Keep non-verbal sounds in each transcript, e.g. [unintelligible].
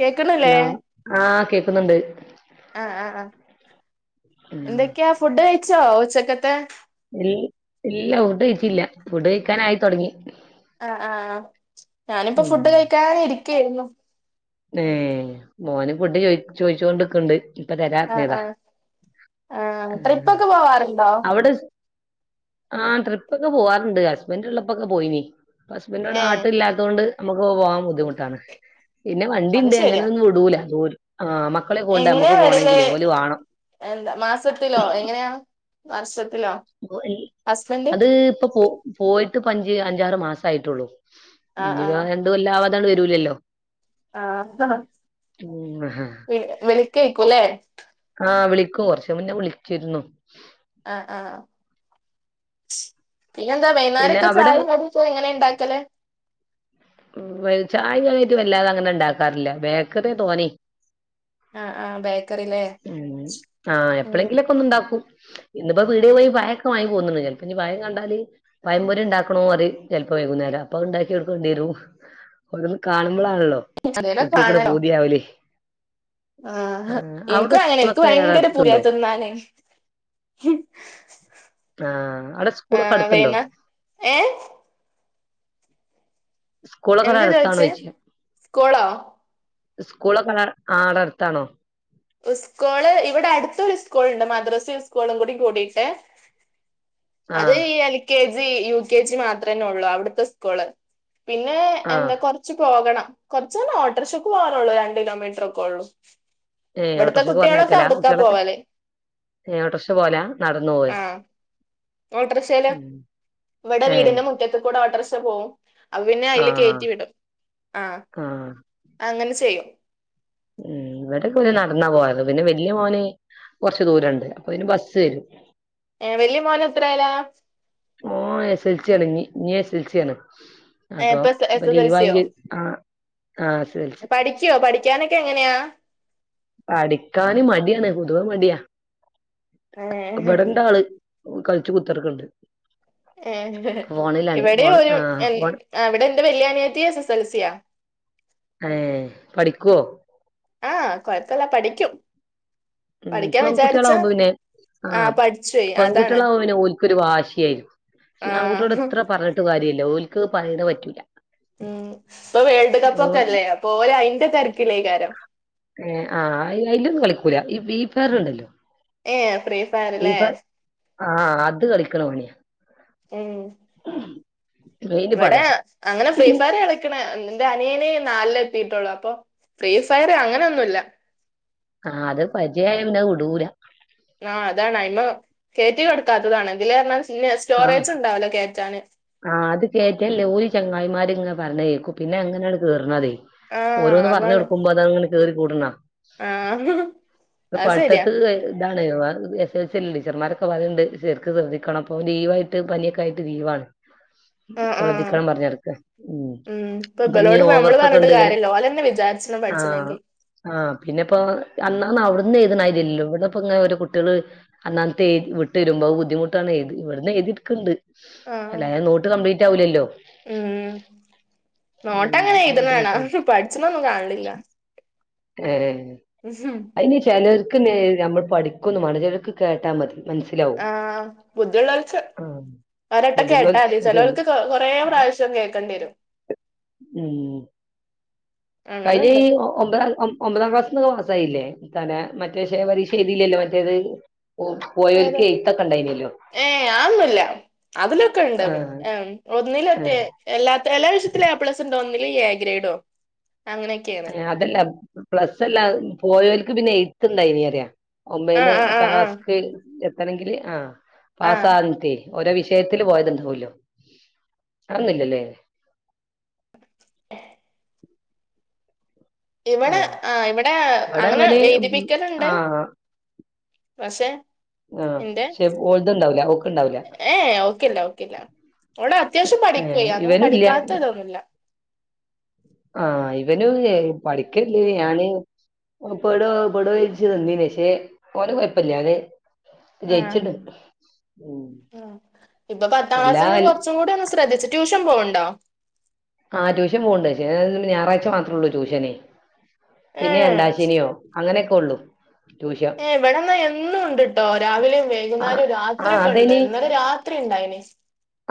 കേക്ക്ണ്ല്ലേ hello ആഹ് കേക്കുന്നുണ്ട് ആഹ് ആഹ് ആഹ് ഉം എന്തൊക്ക്യാ ഫുഡ് കഴിച്ചോ ഉച്ചക്കത്തെ ഇല്ല ഫുട് കഴിച്ചില്ല. ഫുഡ് കഴിക്കാന് ആയിത്തൊടങ്ങി. ആഹ് ആഹ് ഞാനപ്പ ഫുഡ് കഴിക്കാതെ ഇരിക്ക്യേര്ന്നു. ഏഹ്. മോന് ഫുഡ് ചോയ് ചോയിച്ചോണ്ടിക്ക്ണ്ട് ഇപ്പൊ ആഹ് തരാര്ന്നത ആഹ് ആഹ് ആ ട്രിപ്പൊക്കെ പോവാറുണ്ടോ അവിടെ ആഹ് ട്രിപ്പൊക്കെ പോവാറുണ്ട്. ഹസ്ബൻഡ് ഇള്ളപ്പൊക്കെ പോയിനി. ഹസ്ബന്റ് ഇവിടെ ഏഹ് നാട്ടില്ലാ അതു കൊണ്ട് നമുക്ക് പോകാൻ ബുദ്ധിമുട്ടാണ്. പിന്നെ അത് വണ്ടിണ്ട്. അങ്ങനെ ഒന്നും വിടൂല. ദൂര് ആ മക് എങ്ങനെ വരല്. എന്താ മാസത്തിലോ എങ്ങനെയാ വർഷത്തിലൊ. അത് ഇപ്പ പോ പോയിട്ട് പ്പഞ്ച് അഞ്ചാറ് മാസായിട്ടൊള്ളു. ആഹ് ഇനി വ ആഹ് രണ്ട് കൊല്ലാവാതെ വരൂലല്ലോ. ആഹാ ഉം വിളിക്കേക്കുല്ലേ. ആഹ് വിളിക്കും. കൊറച്ച് മുന്നെ വിളിച്ചിരുന്നു. ആഹ് ആഹ് പിന്നെ എന്താ പിന്നെ വൈന്നേരൊക്കെ അവിടെ ചായിം കടി ഇത് എങ്ങനെ ഇണ്ടാക്കല്? ഉം വെൽചായായിട്ട് വല്ലാതെ അങ്ങനെ ഇണ്ടാക്കാറില്ല. ബേക്കറ്യാ തോനേ ആഹ് ആഹ് ബേക്കറിലേ, ഉം. ഇപ്പൊന്ന്ണ്ടാക്കും. ഇന്ന്പ്പ പീട്യേ പോയി പയൊക്കെ വാങ്ങി പോന്ന്ണ്. ചെല്പ്പ ഞ്ഞ് പയം കണ്ടാല് പയമ്പൊരി ഇണ്ടാക്കണോറിം. ചെല്പം വൈയ്കുന്നേരം. അപ്പൊ അത് ഇണ്ടാക്കി കൊട് വേണ്ട്യേരും. ഓരോന്ന് കാണുമ്പളാണല്ലോ എന്തേലും കുട്ട്യേക്കട് കാണലോ പൂത്യാവല്. ആഹ് എനിക്കും അങ്ങനെ എനിക്ക് അവ്ടസ്കൂളൊക്കെ ഭയങ്കര പൂതിയാ അട്ത്ത്ണ്ടോ? തിന്നാന് ആഹ് അവ്ട സ്കൂളൊക്കെട്ത്ത്ണ്ടോ? ഏഹ്? സ്കൂളക്കാടെ എന്താ ചോദിച്ചേ അടുത്താണോയ്ച്ചാ സ്കൂളോ സ്കൂളക്കാടെ ആഹ് ആടെ അട്ത്താണോ? ഉസ്കൂള് ഇവിടെ അടുത്തൊര് ഉസ്കൂൾണ്ട് മദ്രസിം ഉസ്കൂളും കൂടി കൂടിട്ട്. അത് ആഹ് ഈ L K G, U K G മാത്രേന്നൊള്ളൂ അവ്ട്ത്തെ സ്കൂള്. പിന്നെ ആഹ് എന്താ കൊറ് ച്ച് പോകണം കൊറച്ചേന്ന് ഓട്ടോറ്ക്ഷക്ക് പോവാനോള്ളൂ രണ്ട് കിലോമീറ്റ്റൊക്കോള്ളൂ. ഏഹ് ഓട്ടോറ്ക്ഷക്ക് പറ്ഞ്ഞേക്കലാ കുട്ട്യേളൊക്കെ പോവല് ഏഹ് ഓട്ടേറ്ക്ഷക്ക് പോവല നടന്ന് പോവ്വേ? ഓട്ടറ്ഷേല് ഇവടെ ഏഹ് വീടിന്റെ മുറ്റത്ത് കൂടെ ഓട്ടറ്ഷ പോവും. അപ്പപിന്നെ അയില് ആഹ് കേറ്റി വിടും ആഹ് അങ്ങനെ ചെയ്യും. ഉം ഇവരൊക്കെ പിന്നെ നടന്നാ പോവല് പിന്നെ വല്ല്യ മോന്. കൊറച്ച് ദൂരണ്ട് അപ്പൊ പിന്നെ ബസ്സ് വെരും. ഏഹ് വല്ല്യ മോന് എത്രേയ്ലാ? ഓ എസ് എൽസ്യാണ് ഞ്ഞി ഇഞ്ഞി എസ് എൽസ്യാണ്. ഏ അപ്പോ ഇപ്പൊ എസ് ഇപ്പോ എസ് എൽ സിയോ ലീവാങ്കി ആഹ് ആഹ് എസ് എസ് എൽ സി. ക്ക്യാനൊക്കെ എങ്ങനെയാ? പടിക്കാന് മട്യാണ് പൊതുവെ മട്യാ ഏഹ് ഇവടെണ്ടാള്. കള്ച്ച് കുത്തറ്ക്ക്ണ്ട്. ഏഹ് ഇവിട്യേം ഫോണ് ഒരു ആഹ് എന് ഫോൺ അഹ് ഇവിടെന്റെ വെല്ല്യാനിയത്തി എസ് എസ് എൽ സ്യാ. ഏഹ് പഠിക്ക്വോ? ആഹ് കൊഴപ്പല്ല പഠിക്കൃം. ഉം പ്പെങ്കുട്ട്യേളാവുമ്പോ പിന്നെ. ആഹ് പഠിച്ചുപോയി അതാണ് പെങ്കുട്ട്യളാവുമ്പ പിന്നെ ഓല്ക്കൊരു വാശ്യായിര്ക്കു ഈ ആങ്കുട്ട്യളോട് ആഹ് എത്ര പറഞ്ഞ്. ട്ട് കാര്യല്ല്യ ഓല്ക്ക് അത് പറിണ പറ്റൂല. ഉം പ്പൊ വേൾഡ് ഓ കപ്പൊക്കല്ലേ അപ്പോ ഓലയിന്റെ തെര്ക്കിലേക്കാരം. ഏഹ് ആഹ് അയിലൊന്നും കളിക്കൂല ഈ ബീ ഫയ്റ്ണ്ടല്ലോ ഏയ് ഫ്രീ ഫയ്റ് ല്ലേ. ആഹ് അത് കളിക്ക്ണ പണ്യാ. ഉം. [inaudible] മെയിനിപ്പ വടേ അതാ അങ്ങനെ ഫ്രീ ഫയ്റ് കളി ക്ക്ണ് ന്റെ അനിയന് നാല് ലെത്തീട്ടൊള്ളു അപ്പോ ഫ്രീ ഫയറ് അങ്ങനൊന്നുല്ല. ആഹ് അത് പര്ചയായ പിന്നെ അയ് വിടൂല. ആഹ് അതാണ് അയിമാ കേറ്റി കൊട്ക്കാത്തതാണ് ഇതിലറ്ഞ്ഞാ പിന്നെ സ്റ്റോറേജ്ണ്ടാവുല കേറ്റാന്. ആഹ് അത് കേറ്റേല്ല ഓര് ചെങ്ങായ്മാര്ങ്ങനെ പറ്ഞ്ഞേ കേക്കും പിന്നങ്ങനാണ് കേറ്ണതേ ആഹ് ഓരോന്ന് അതാണ് പറഞ്ഞൊട്ക്കുമ്പോ അതങ്ങ്നെ കേറി കൂട്ണാ. ആഹ് അത് പഠ്ത്തത്ത് ക ഇതാണ് വേറെ എസ് എൽ സ്യല്ലെ സാറ്മാരൊക്കെ പറയ്ണ്ട് ശെര്ക്ക് ശ്രദ്ധിക്കണം പ്പൊ ലീവായിട്ട് പനിഒക്കായിട്ട് ലീവാണ്. ആഹ് ആഹ് ശ്രദ്ധിക്കണം പറഞ്ഞെടുക്ക ഉം അപ്പൊ ഇനി ഇപ്പബലോടപ്പോ അമ്മള് ഓവർക്കൊക്കെ പറഞ്ഞ്ട്ട് ഉണ്ട് ഇങ്ങനെ കാര്യല്ല ഓലെന്നെ വിചാര്ച്ച ന്നും ആഹ് പഠ്ച്ചണെങ്കീ. ആഹ് പിന്നെപ്പോ അന്നാന്ന് അവ്ട്ന്ന് എഴ്ത്ണാര്യല്ലോ ഇവട്ന്ന്പ്പങ്ങനെ ഒരോ കുട്ട്യള്. അന്നാന്നത്തെ വിട്ടരുമ്പോ ബുദ്ധിമുട്ടാണ് എഴുത് ഇവട്ന്ന് എഴ്തിട്ക്ക്ണ്ട്. ആഹ് അല്ലാഞ നോട്ട് കംപ്ലീറ്റാവൂലല്ലോ. നോട്ട് അങ്ങനെ അത് എഴ്ത്ണ ബുദ്ധിമുട്ടാവും കാണ പഠ്ച്ചണെന്നും കാണലില്ല. ഏ. [unintelligible] ഇനി ചിലർക്ക് നമ്മൾ പഠിക്കൊന്നും വാണ്ട ചിലർക്ക് കേട്ടാ മതി മനസ്സിലാവും ആഹ് ബുദ്ധിയുള്ളോൽക്ക് ആഹ് ഒരു വട്ടം കേട്ടാ ബുദ്ധിയുള്ളോൽക്ക് മതി അതന്നെ ചിലോൽക്ക് കൊറെ പ്രാവശ്യം കേൾക്കണ്ടി വരും ഉം കഴിഞ്ഞ അങ്ങനെണ്ട് ഈ ഒമ്പതാം ഒമ്പതാം ക്ലാസ്ന്ന് പാസായില്ലേ തന്നെ മറ്റേ ശേ പരീക്ഷ എഴുതില്ലല്ലോ മറ്റേത് ഓഹ് ഏത് പോയൊൽക്ക് എഴുത്തൊക്കെ ഉണ്ടായിനല്ലോ ഏഹ് അതൊന്നൂല്ല അതിലൊക്കെണ്ട് ആഹ് ഏഹ് ഒന്നിലറ്റെ ഏഹ് എല്ലാ എല്ലാ വിഷ്യത്തിലും എ പ്ലസ്റോ ഒന്നില് എ ഗ്രേഡോ അങ്ങനെ ഏഹ് അതല്ല പ്ലസല്ല പോയോൽക്ക് പിന്നെ എയ്ത്ത് ഉണ്ടായിനിം അറിയാം ആഹ് ഒമ്പന്ന് പത്തി ആഹ് പത്താം ആഹ് ആഹ് ക്ലാസ്ക് എത്തണെങ്കില് ആഹ് ആഹ് പാസാകട്ടേ ഓരോ വിഷയത്തില് പോയത്ണ്ടാവല്ലോ അതൊന്നും ഇല്ലലേ ഇവിടെ ഏഹ് ആഹ് ഇവിടെ ഇവിടെ അങ്ങനെ ഇവന് എഴുതിപ്പിക്കലണ്ട് ആഹ് പക്ഷേ ആഹ് എന്റെ പക്ഷെ ഓൾത്ണ്ടാവൂല ഓക്ക്ണ്ടാവൂല ഏഹ് ഓക്കില്ല ഓക്കില്ല ഓള് അത്യാവശ്യം ഏഹ് പഠിക്കോയ് അങ്ങനും ഇവനുല്ല പഠിക്കാത്ത ഇതൊന്നുല്ല ആഹ് ഇവന് പഠിക്കല്ല്ലേ ഞാന് ഓൻ പെടോ പെടോ ചോയിച്ചു വന്നീനിം പക്ഷേ ഓന് കുഴപ്പല്ലാ [unintelligible] ജയിച്ചിണ്ട് ഉം ആഹ് ഇബൻ പത്താം എല്ലാ ക്ലാസ്സിൽന്ന് കുറച്ചും കൂടി ഒന്ന് ശ്രദ്ധിച്ചു ട്യൂഷൻ പോവ്ണ്ടോ ആഹ് ട്യൂഷൻ പോവ്ണ്ട് പക്ഷെ ഞായറാഴ്ച മാത്രേള്ളൂ ട്യൂഷനെ ഏ പിന്നെ രണ്ടാശനിയോ അങ്ങനെയൊക്കെ ഉള്ളൂ ഏഹ് ഇവിടെന്നാ എന്നും ഉണ്ട്ട്ടോ രാവിലെയും ആ വൈകുന്നേരം ആ രാത്രി ഒക്കെ ഉണ്ട് ഇന്നലെ രാത്രി ഉണ്ടായിനിം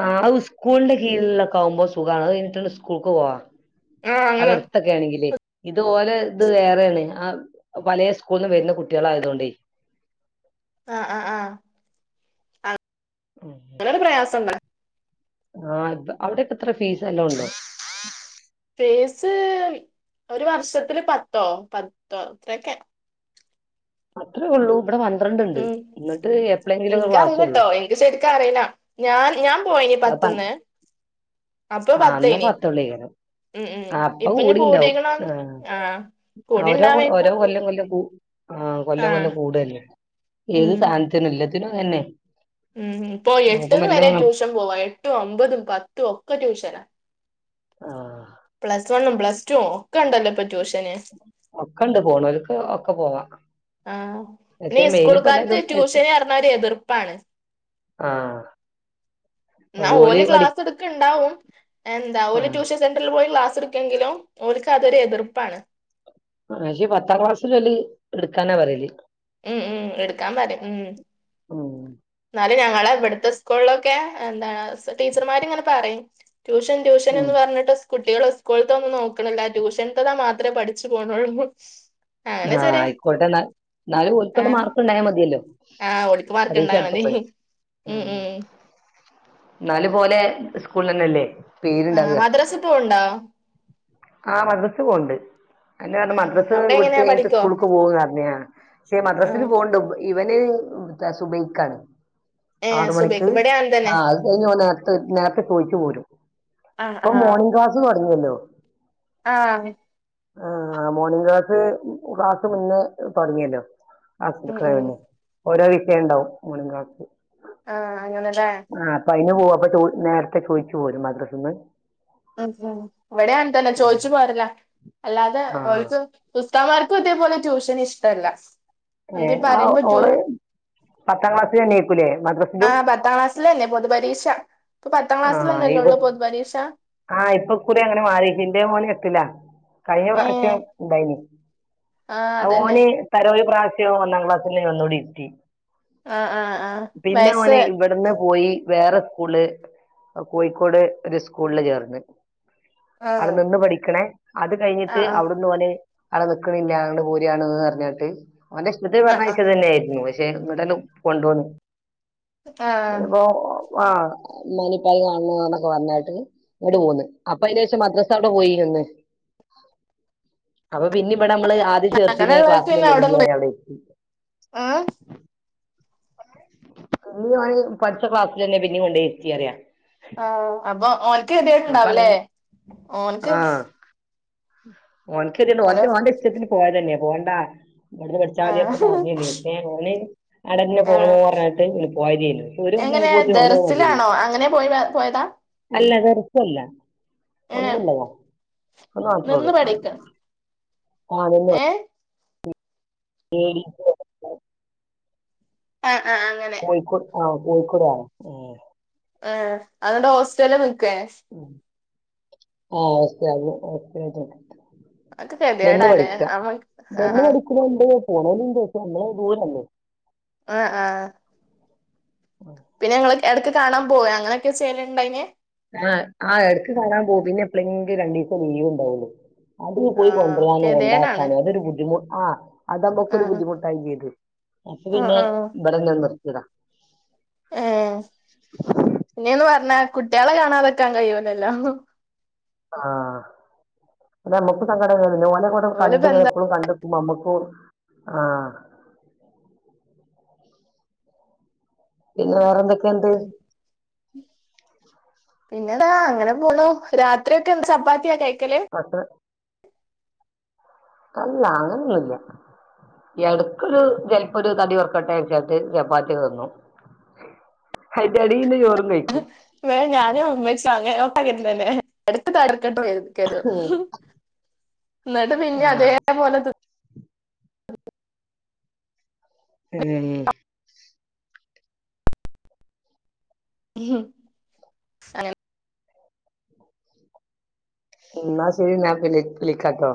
ആഹ് അത് സ്കൂളിന്റെ കീഴിലൊക്കെ ആകുമ്പോ സുഖമാണ് അത് കഴിഞ്ഞിട്ട് ആണ് സ്കൂൾക്ക് പോവാ ആ അ അങ്ങനെ ക്കെ ആണെങ്കിലെ ഇത് ഓലെ ഇത് വേറെയാണ് ആ പലേ സ്കൂളന്ന് വരുന്ന കുട്ടികൾ ആയതുകൊണ്ടെയ് ആഹ് ആഹ് ആഹ് അങ്ങനൊരു പ്രയാസം ആഹ് അവിടെക്കെ എത്ര ഫീസ് നല്ലോം ഉണ്ടോ ഫീസ് ഒരു വർഷത്തില് പത്തോ പത്തോ ഇത്രയൊക്കെ അത്രേ ഉള്ളൂ ഇവിടെ പന്ത്രണ്ട് ഉണ്ട് ഉം എന്നിട്ട് എപ്പഴെങ്കിലും ഒക്കെ ക്ലാസ് ഉള്ളൂ ശെരിക്ക് അറിയില്ല ഞാൻ ഞാൻ പോയനി പത്തുന്ന് ആഹ് അന്ന് പത്തൊള്ളേനു ഉം ഉം ആഹ് ഇപ്പൊ ഇനി കൂടിണ്ടാവും കൂടിക്കണോന്ന് ഉം ആഹ് കൂടി ഓരോ ഓരോ ഇണ്ടാവേക്കും കൊല്ലം കൊല്ലം കൂ ആഹ് കൊല്ലം കൊല്ലം കൂടല്ലേ ഏത് ഉം സാധനത്തിനും എല്ലത്തിനും ഇങ്ങനെ തന്നെ ഉം ഇപ്പൊ എട്ട്ന്ന് വരെ ട്യൂഷൻ പോവാ എട്ടും അമ്പതും പത്തും ഒക്കെ ട്യൂഷന ആഹ് പ്ലസ് വണ്ണും പ്ലസ് ടുവും ഒക്കെ ഉണ്ടല്ലോ ഇപ്പൊ ട്യൂഷന് ഒക്കെണ്ട് പോണവർക്ക് ഒക്കെ പോവാ ആഹ് പിന്നെ പക്ഷെ ഈ മെയിന് സ്കൂൾ ഇപ്പ കാർക്ക് എല്ലാരും എസ് ട്യൂഷന് പറഞ്ഞ ഒരു എതിർപ്പാണ് ആഹ് ഇന്നാ ഓല് ക്ലാസ് എടു ഉണ്ടാവും എന്താ ആ ഒരു ട്യൂഷൻ സെന്ററിൽ പോയി ക്ലാസ് എടുക്കെങ്കിലും ഓൽക്ക് അതൊരു എതിർപ്പാണ് ആഹ് പക്ഷേ പത്താ ക്ലാസ്ൽ ഇല്ലോല് എടുക്കാനാ പറയല് ഉം ഉം എടുക്കാൻ പറയും ഉം ഉം എന്നാലും ഞങ്ങളെ ഇവിടുത്തെ സ്കൂളിലൊക്കെ എന്താണ് ടീച്ചർമാരിങ്ങനെ പറയും ട്യൂഷൻ ട്യൂഷൻ ഉം എന്ന് പർഞ്ട്ട് കുട്ടികള് സ്കൂൾത്തൊന്നും നോക്ക്ണില്ല ട്യൂഷൻത്തതാ മാത്രെ പഠിച് പോണള്ളൂ ആ അയിക്കോട്ടെ ന്നാൽ ന്നാലും ഓൽക്ക്ള്ള മാർക്ക് ഇണ്ടായാ മതിയല്ലോ ആ ഓര്ക്ക് മാർക്ക് പരീക്ഷ ഇണ്ടായ മതി ഉം ഉം ന്നാലും പ്പൊ ഓലെ സ്കൂൾനന്നല്ലേ ആഹ് പേര്ണ്ടാവ മദ്രസ പോവ്ണ്ടോ ആ മദ്രസ്സ് പോവ്ണ്ട് അതന്നെ പർഞ്ഞെ ആഹ് മദ്രസ്സ് അവിടെ വ് എങ്ങനെയാ പഠിക്കോ പോവും ന്നർഞ് ഞാൻ പക്ഷെ മദ്രസില് ആഹ് പോവ്ണ്ട് ഇവന് സുബൈക്കാണ് ഏഹ് ആറ് മണിക്ക് സുബൈക്ക് ഇവിടെ അങ്ങനെ തന്നെ ആ അത് കഴിഞ്ഞ് ഓൻ നേർത്ത നേർത്ത ചോഴിച്ചു പോരും ആഹ് ഇപ്പ മോണിംഗ് ക്ലാസ്സ്‌ തൊടങ്ങിയല്ലോ ആ ആ മോണിംഗ് ക്ലാസ് ക്ലാസ് മുന്നേ തോട്ങ്ങിയല്ലോ ക്ലാസിന് ഉം ഉം കേറളളു ഓരോ വിഷയം ഇണ്ടാവും മോണിംഗ് ക്ലാസ് ആ അങ്ങന ലെ ആ അപ്പ അയിന് പോവും അപ്പ ചോ നേർത്തെ ചോഴിച്ചു പോരും മദ്രസ്ന്ന് ഉം ഉം ഇവടിം അങ്ങൻ തന്നെ ചോഴിച്ചു പോര്ല അല്ലാതെ ആ ഓൽക്ക് ഉസ്താമാർക്കും ഇതേപോലെ ട്യൂഷന് ഇഷ്ടല്ല ഏ എന്തേ ആ പറയാൻ പറ്റൂ ഓള് പത്താം ക്ലാസ്സില് തന്നയ്ക്കുലേ മദ്ര ആ പത്താം ക്ലാസ്സിലന്നെ പൊതു പരീഷ ഇപ്പ പത്താം ആ ക്ലാസ്സിലന്നെല്ലേ ഇവ ഒള്ളൂ പൊതു പരീഷ ആ ഇപ്പൊ ഇക്കുറി അങ്ങനെ മാറീക്ക് ഇന്റെ മോന് എട്ടില കഴിഞ്ഞ ഏ പ്രാവശ്യം ഇണ്ടായിനി ആ അ അതന്നെ ഓന് തരോ ഒരു പ്രാവശ്യോ ഒന്നാം ക്ലാസ്സില് ഒന്നൂടി ഇര്ത്തി ആ ആ ആ പിന്നെ വയസ്സ് ഓന് ഇവട്ന്ന് പോയി വേറ സ്കൂൾല് അ കോഴിക്കോട് ഒര് സ്കൂൾല് ചേർന്ന് ആ അവടെ നിന്ന് പഠിക്ക്ണേ അത് ആ കഴിഞ്ഞിട്ട് ആ അവ്ട്ന്ന് ഓന് അവടെ നിക്ക്ണില്ല അങ്ങട് പോരാണ് പർഞാട്ട് ഓന്റെ ഇഷ്ടത്തിന് ആ ആ പർഞ്ഞയച്ചതല്ലേ [unintelligible] എ ഇങ്ങട്ടന്നേ കൊണ്ടോന്ന് ആ [unintelligible] ആ ഇമ്മാനിം ഇപ്പാനിം കാൺണോന്നൊക്കെ പർഞാട്ട് ഇങ്ങട്ട് പോന്ന് അപ്പ എകദേശം മദ്രസ അവ്ടെ പോയി നിന്ന് അപ്പ പിന്നിം ഇവടെ നമ്മള് ആദ്യം ചേർത്തിനിയെ ക്ലാസ്സിലന്നെ പിന്നിം ഓനെ അവ്ടെ ഇര്ത്തി ആ [unintelligible] പട്ച്ച ക്ലാസ്സ്ലന്നെ പിന്നിം കൊണ്ടയി ഇര്ത്തി അറിയ ആ അപ്പൊ ഓൻക്ക് അപ്പൊ കേദിയെട്ണ്ടാവു ലെ അങ്ങനെ ഓൻക്ക് ആ ഓൻക്ക് കേദിയേട് ഇണ്ട് ഹലോ ഓൻക്ക് ഓന്റ ഇഷ്ടത്തിന് പോയതന്നെ പോണ്ടാ ഇവട്ന്ന് പട്ച്ച ആ മതി ഒക്ക പർഞീല്ലെ എ ഓന് അവടെന്നെ ആ പോണോ പർഞാട്ട് പോയതെനു ഒര് എങ്ങനെ കൊല്ലായപ്പൊത്തിനു ഓന് മതി ദർസിലാണോ അങ്ങനെ പോയി പോയതാ ആയി അല്ല വെർതല്ല ഒ [unintelligible] ഏ ഒന്ന് മാത്ര ഒള്ളൂ നിന്ന് പഠിക്ക ആ നിന്നു ഏ പേടി ആ ആ അങ്ങൻ കോഴിക്കോട് ആ കോഴിക്കോട് [unintelligible] ഏ അത് ന്നട്ട് ഹോസ്റ്റൽല് നിക്കെ ആ ഹോസ്റ്റൽല് [unintelligible] അതൊക്കെ കെതിയെടാ ലെ അമ്മക് ആ ഉണ്ട് പോണോല്ണ്ട് പ്പ നമ്മള് ദൂരല്ലെ ആ ആ ആ പിന്നെ ഞങ്ങള് എടക്ക് കാണാൻ പോയ അങ്ങനെയൊക്കെ ചെയ്യലുണ്ട അയിന് ആഹ് ആഹ് ഇടക്ക് കാണാൻ പോ പിന്നെ എപ്പളെങ്കിലും രണ്ടു ദിവസം ലീവ് ഉണ്ടാവുള്ളു അതിന് പോയി ആഹ് കൊണ്ടരാനും ഗതികേടാണ് കൊണ്ടാക്കനും അതൊരു ബുദ്ധിമുട്ട ആ അത് നമുക്കൊരു ആഹ് ബുദ്ധിമുട്ട് ക്കിയത് അപ്പ ആഹ് പിന്നെ ആഹ് ഇവിടെന്താ നിർത്തിതാ ഏഹ് പിന്നെന്ന് പറഞ്ഞ കുട്ടിയാളെ കാണാതക്കാൻ കഴിയുല്ലല്ലോ ആഹ് നമ്മുക്ക് സങ്കടല്ലല്ലോ പിന്നെ ഓനെ കൂടെ കണ്ട് ഓലിപ്പോ എന്താ എപ്പോഴും കണ്ട് നമ്മുക്ക് ആഹ് പിന്നെ വേറെന്തക്കേണ്ട്. പിന്നെന്താ അങ്ങനെ പോണു രാത്രിയൊക്കെ എന്ത് ചപ്പാത്തിയാ കയിക്കല്. അത് അല്ല അങ്ങനെയൊന്നുല്ല. എടക്കൊരു ചെലപ്പൊ ഒരു തടി കൊറക്കട്ടെ വെച്ചാണ്ട് ചപ്പാത്തിക്കെ തിന്നും. അയിന്റെ എടീന്ന് ചോറും കഴിക്കും. വേ ഞാനും അമ്മച്ചോ അങ്ങനെ ഒക്കെ തന്നെലെ എടക്ക തടർക്കട്ട പോരുന്നു. ക്കരുത് ന്നട്ട് പിന്നേം ആഹ് അതേപോലെ തി ഉം [inaudible] അങ്ങനെ ഉം ന്നാ ശരി ഞാൻ പിന്നെ വിളിക്കാട്ടോ.